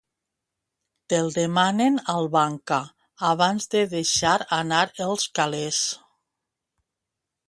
Te'l demanen al banca abans de deixar anar els calés.